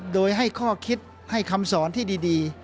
โดยให้ข้อคิดให้คำสอนที่ดี